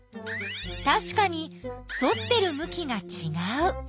たしかに反ってるむきがちがう。